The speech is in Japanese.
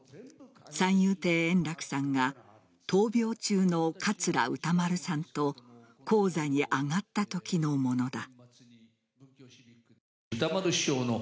三遊亭円楽さんが闘病中の桂歌丸さんと高座に上がったときのものだ。